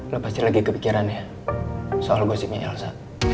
lo pasti lagi kepikiran ya soal gosipnya elsa